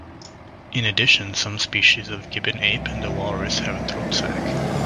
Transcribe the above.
In addition some species of gibbon ape and the walrus have a throat sac.